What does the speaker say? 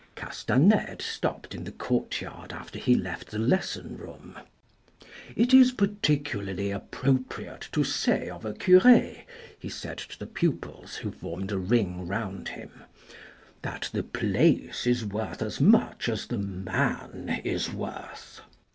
Castanede stopped in the courtyard after he left the lesson 13 i94 THE RED AND THE BLACK room. " It is particularly appropriate to say of a cure," he said to the pupils who formed a ring round him, " that the place is worth as much as the man is worth.